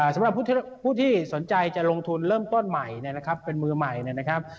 สำหรับผู้ที่สนใจจะลงทุนเริ่มต้นใหม่เนี่ยนะครับเป็นมือใหม่เนี่ยนะครับ